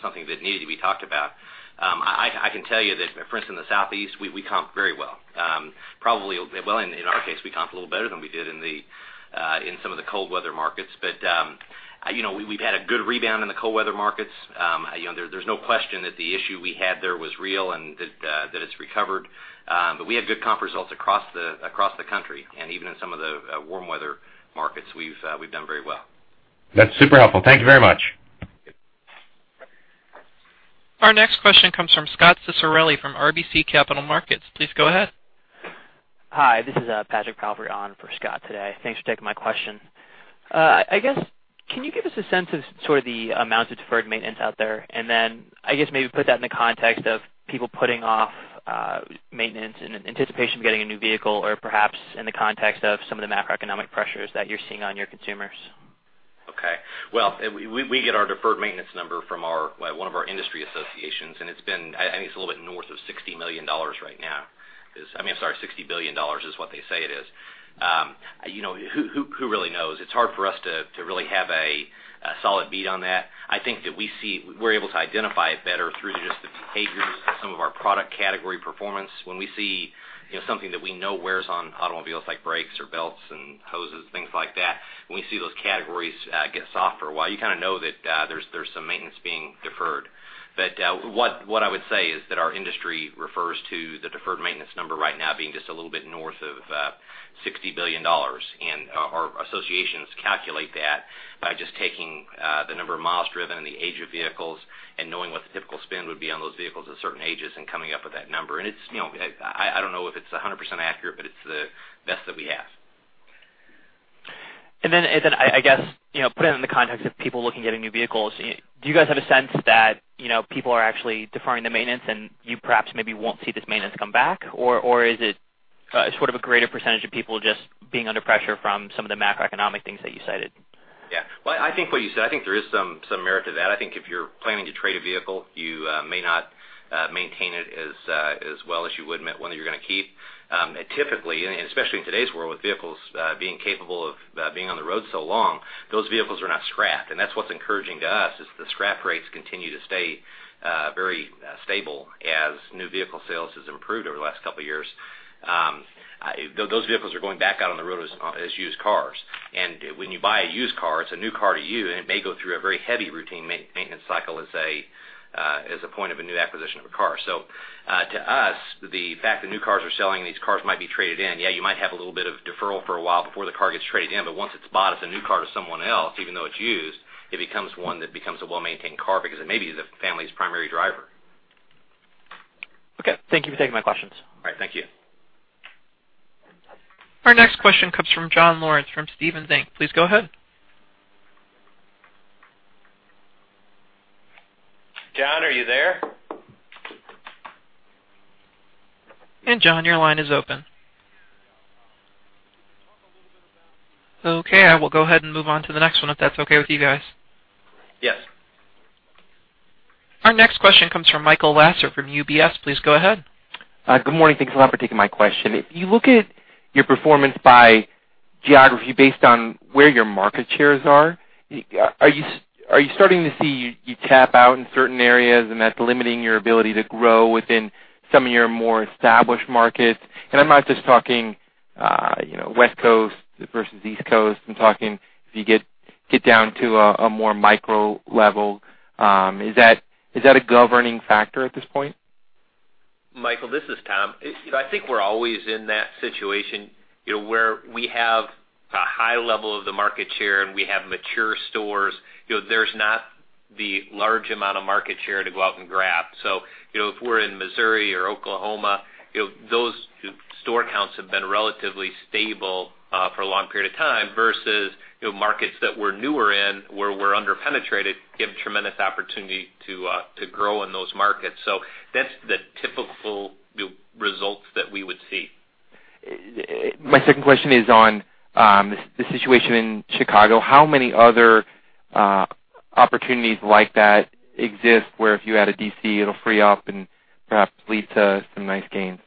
something that needed to be talked about. I can tell you that, for instance, the Southeast, we comp very well. Well, in our case, we comped a little better than we did in some of the cold weather markets. We've had a good rebound in the cold weather markets. There's no question that the issue we had there was real and that it's recovered. We had good comp results across the country, and even in some of the warm weather markets, we've done very well. That's super helpful. Thank you very much. Our next question comes from Scot Ciccarelli from RBC Capital Markets. Please go ahead. Hi, this is Patrick Caffrey on for Scot today. Thanks for taking my question. I guess, can you give us a sense of sort of the amount of deferred maintenance out there, then, I guess maybe put that in the context of people putting off maintenance in anticipation of getting a new vehicle or perhaps in the context of some of the macroeconomic pressures that you're seeing on your consumers? Well, we get our deferred maintenance number from one of our industry associations, and it's a little bit north of $60 million right now. I mean, sorry, $60 billion is what they say it is. Who really knows? It's hard for us to really have a solid bead on that. I think that we're able to identify it better through just the behaviors of some of our product category performance. When we see something that we know wears on automobiles, like brakes or belts and hoses, things like that, when we see those categories get softer, well, you kind of know that there's some maintenance being deferred. What I would say is that our industry refers to the deferred maintenance number right now being just a little bit north of $60 billion. Our associations calculate that by just taking the number of miles driven and the age of vehicles and knowing what the typical spend would be on those vehicles at certain ages and coming up with that number. I don't know if it's 100% accurate, it's the best that we have. I guess, put it in the context of people looking at getting new vehicles. Do you guys have a sense that people are actually deferring the maintenance and you perhaps maybe won't see this maintenance come back? Or is it sort of a greater % of people just being under pressure from some of the macroeconomic things that you cited? Well, I think what you said, I think there is some merit to that. I think if you're planning to trade a vehicle, you may not maintain it as well as you would one that you're going to keep. Typically, and especially in today's world, with vehicles being capable of being on the road so long, those vehicles are not scrapped. That's what's encouraging to us is the scrap rates continue to stay very stable as new vehicle sales has improved over the last couple of years. Those vehicles are going back out on the road as used cars. When you buy a used car, it's a new car to you, and it may go through a very heavy routine maintenance cycle as a point of a new acquisition of a car. To us, the fact that new cars are selling and these cars might be traded in, yeah, you might have a little bit of deferral for a while before the car gets traded in, but once it is bought as a new car to someone else, even though it is used, it becomes one that becomes a well-maintained car because it may be the family's primary driver. Okay. Thank you for taking my questions. All right. Thank you. Our next question comes from John Lawrence from Stephens Inc. Please go ahead. John, are you there? John, your line is open. Okay, I will go ahead and move on to the next one if that's okay with you guys. Yes. Our next question comes from Michael Lasser from UBS. Please go ahead. Good morning. Thanks a lot for taking my question. If you look at your performance by geography based on where your market shares are you starting to see you tap out in certain areas and that's limiting your ability to grow within some of your more established markets? I'm not just talking West Coast versus East Coast. I'm talking as you get down to a more micro level. Is that a governing factor at this point? Michael, this is Tom. I think we're always in that situation where we have a high level of the market share and we have mature stores. There's not the large amount of market share to go out and grab. If we're in Missouri or Oklahoma, those store counts have been relatively stable for a long period of time versus markets that we're newer in, where we're under-penetrated, give tremendous opportunity to grow in those markets. That's the typical results that we would see. My second question is on the situation in Chicago. How many other opportunities like that exist, where if you add a DC, it'll free up and perhaps lead to some nice gains?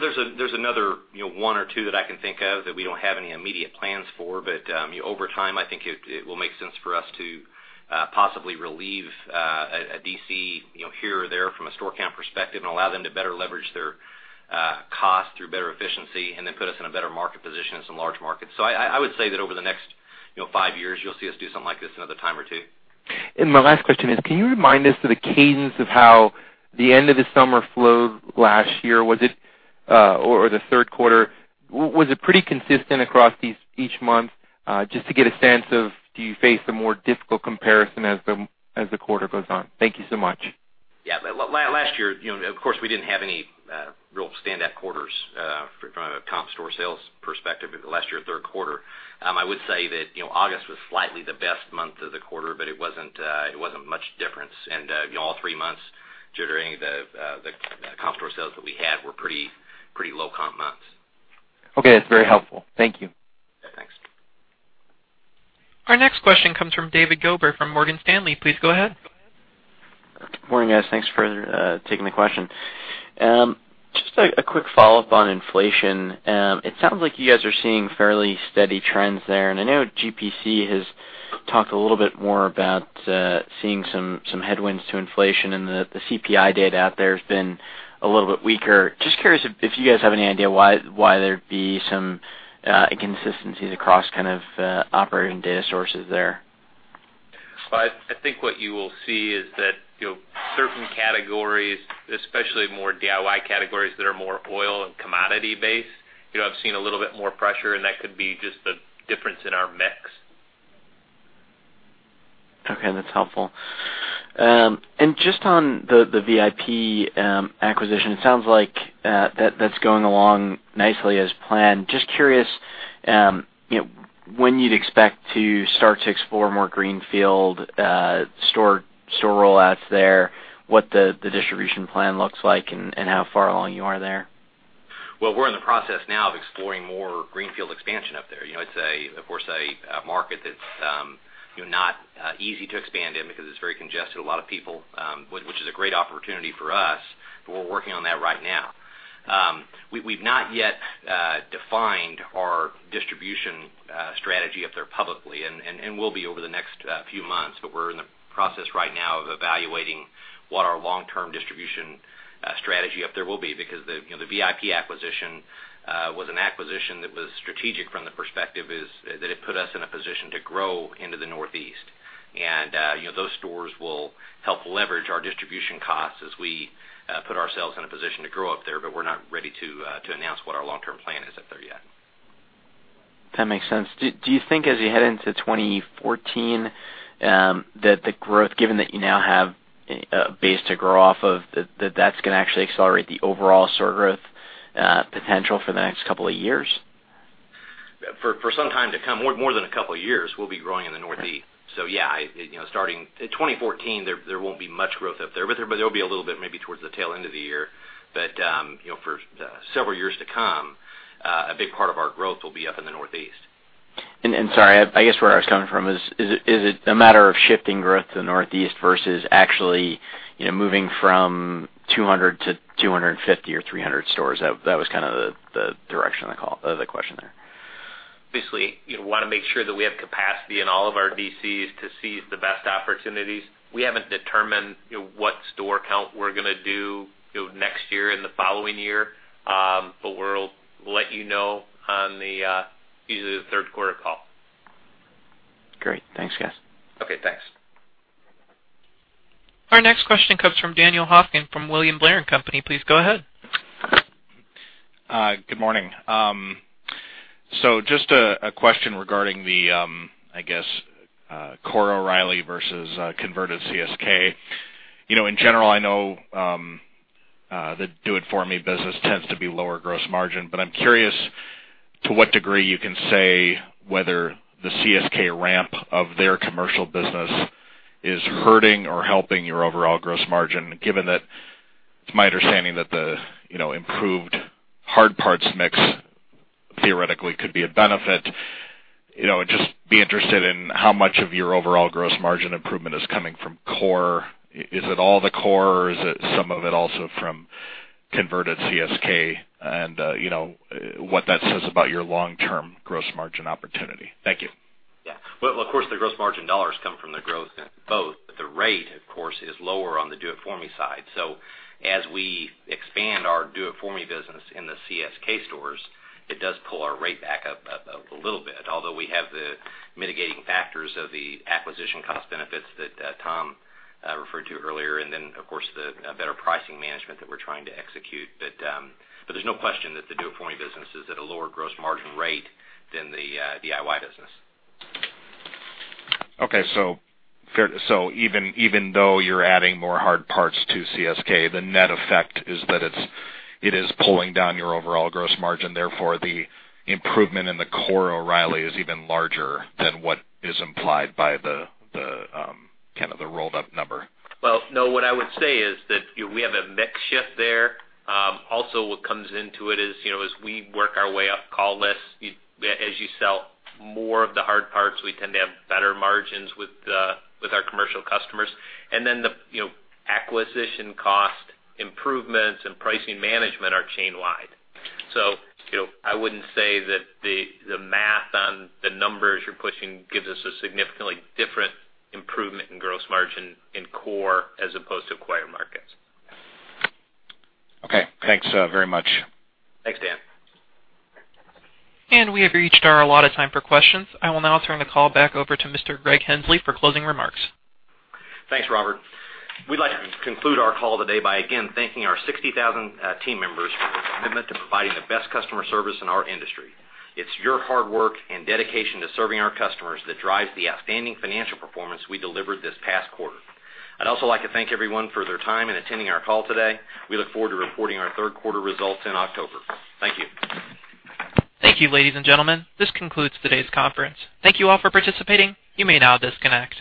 There's another one or two that I can think of that we don't have any immediate plans for. Over time, I think it will make sense for us to possibly relieve a DC here or there from a store count perspective and allow them to better leverage their cost through better efficiency and then put us in a better market position in some large markets. I would say that over the next five years, you'll see us do something like this another time or two. My last question is, can you remind us of the cadence of how the end of the summer flowed last year? The third quarter, was it pretty consistent across each month? Just to get a sense of, do you face a more difficult comparison as the quarter goes on? Thank you so much. Yeah. Last year, of course, we didn't have any real standout quarters from a comp store sales perspective last year, third quarter. I would say that August was slightly the best month of the quarter, but it wasn't much difference. All three months, jittering the comp store sales that we had were pretty low comp months. Okay. That's very helpful. Thank you. Yeah, thanks. Our next question comes from David Gober from Morgan Stanley. Please go ahead. Good morning, guys. Thanks for taking the question. Just a quick follow-up on inflation. It sounds like you guys are seeing fairly steady trends there. I know GPC has talked a little bit more about seeing some headwinds to inflation, and the CPI data out there has been a little bit weaker. Just curious if you guys have any idea why there'd be some inconsistencies across kind of operating data sources there. Well, I think what you will see is that certain categories, especially more DIY categories that are more oil and commodity-based, have seen a little bit more pressure. That could be just the difference in our mix. Okay. That's helpful. Just on the VIP acquisition, it sounds like that's going along nicely as planned. Just curious when you'd expect to start to explore more greenfield store rollouts there, what the distribution plan looks like, and how far along you are there. Well, we're in the process now of exploring more greenfield expansion up there. It's, of course, a market that's not easy to expand in because it's very congested, a lot of people, which is a great opportunity for us. We're working on that right now. We've not yet defined our distribution strategy up there publicly. We'll be over the next few months. We're in the process right now of evaluating what our long-term distribution strategy up there will be because the VIP acquisition was an acquisition that was strategic from the perspective is that it put us in a position to grow into the Northeast. Those stores will help leverage our distribution costs as we put ourselves in a position to grow up there. We're not ready to announce what our long-term plan is up there yet. That makes sense. Do you think as you head into 2014 that the growth, given that you now have a base to grow off of, that that's going to actually accelerate the overall store growth potential for the next couple of years? For some time to come, more than a couple of years, we'll be growing in the Northeast. Yeah, starting 2014, there won't be much growth up there'll be a little bit maybe towards the tail end of the year. For several years to come, a big part of our growth will be up in the Northeast. Sorry, I guess where I was coming from is it a matter of shifting growth to the Northeast versus actually moving from 200 to 250 or 300 stores? That was kind of the direction of the question there. Obviously, we want to make sure that we have capacity in all of our DCs to seize the best opportunities. We haven't determined what store count we're going to do next year and the following year. We'll let you know on the third quarter call. Great. Thanks, guys. Okay, thanks. Our next question comes from Dan Hofkin from William Blair & Company. Please go ahead. Good morning. Just a question regarding the, I guess, core O'Reilly versus converted CSK. In general, I know the Do-It-For-Me business tends to be lower gross margin, but I'm curious to what degree you can say whether the CSK ramp of their commercial business is hurting or helping your overall gross margin, given that it's my understanding that the improved hard parts mix theoretically could be a benefit. Just be interested in how much of your overall gross margin improvement is coming from core. Is it all the core, or is it some of it also from converted CSK? And what that says about your long-term gross margin opportunity. Thank you. Well, of course, the gross margin dollars come from the growth in both. The rate, of course, is lower on the Do-It-For-Me side. As we expand our Do-It-For-Me business in the CSK stores, it does pull our rate back up a little bit. Although we have the mitigating factors of the acquisition cost benefits that Tom referred to earlier, and then, of course, the better pricing management that we're trying to execute. There's no question that the Do-It-For-Me business is at a lower gross margin rate than the DIY business. Okay. Even though you're adding more hard parts to CSK, the net effect is that it is pulling down your overall gross margin. Therefore, the improvement in the core O'Reilly is even larger than what is implied by the kind of the rolled-up number. Well, no, what I would say is that we have a mix shift there. Also, what comes into it is as we work our way up call lists, as you sell more of the hard parts, we tend to have better margins with our commercial customers. The acquisition cost improvements and pricing management are chain-wide. I wouldn't say that the math on the numbers you're pushing gives us a significantly different improvement in gross margin in core as opposed to acquired markets. Okay. Thanks very much. Thanks, Dan. We have reached our allotted time for questions. I will now turn the call back over to Mr. Greg Henslee for closing remarks. Thanks, Robert. We'd like to conclude our call today by again thanking our 60,000 team members for their commitment to providing the best customer service in our industry. It's your hard work and dedication to serving our customers that drives the outstanding financial performance we delivered this past quarter. I'd also like to thank everyone for their time in attending our call today. We look forward to reporting our third quarter results in October. Thank you. Thank you, ladies and gentlemen. This concludes today's conference. Thank you all for participating. You may now disconnect.